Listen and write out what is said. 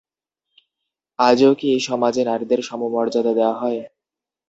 আজও কি এই সমাজে নারীদের সমমর্যাদায় দেখা হয়?